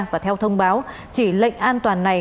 và theo thông báo chỉ lệnh an toàn này